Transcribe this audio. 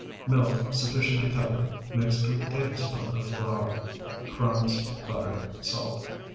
Milk sufficient to cover, mixed with tablespoonful of flour. Crumbs. Butter. Salt.